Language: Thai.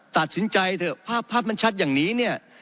ตัดสินใจเถอะภาพภาพมันชัดอย่างนี้เนี่ย